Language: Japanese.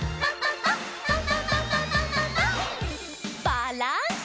バランス。